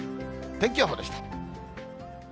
天気予報でした。